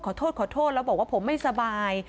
ขอโทษขอโทษแล้วบอกว่าผมไม่สบาย